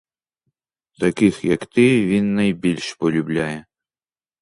Таких, як ти, він найбільш полюбляє.